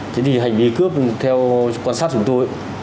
thế thì hành vi cướp theo quan sát chúng tôi